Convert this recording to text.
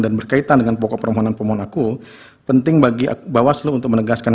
dan berkaitan dengan pokok permohonan pemohon aku penting bagi bawaslu untuk menegaskan